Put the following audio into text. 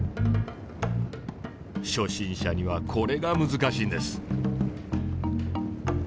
初心者にはこれが難しいんです。